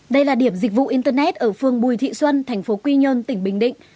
đây là điểm dịch vụ internet ở phương bùi thị xuân tp quy nhơn tỉnh bình định